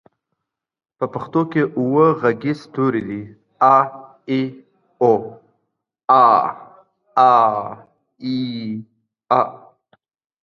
په پښتو کې اووه غږيز توري دي: اَ، اِ، اُ، اٗ، اٰ، اٖ، أ.